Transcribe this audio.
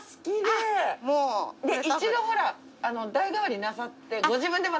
一度ほら代がわりなさって。